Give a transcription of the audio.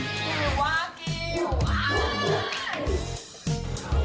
วากิวว้าย